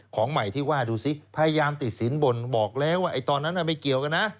ของใหม่ที่ว่าดูสิพยายามติดสินบ่นบอกแล้วว่าตอนนั้นไม่เกี่ยวกันนะ